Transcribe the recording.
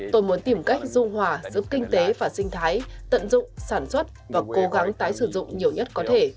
tôi muốn tìm cách dung hòa giữa kinh tế và sinh thái tận dụng sản xuất và cố gắng tái sử dụng nhiều nhất có thể